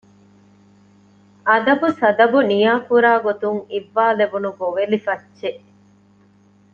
އަދަބުސަދަބު ނިޔާކުރާގޮތުން އިއްވާލެވުނު ގޮވެލިފައްޗެއް